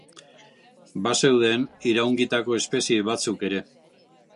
Bazeuden iraungitako espezie batzuk ere.